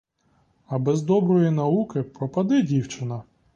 А без доброї науки пропаде дівчина.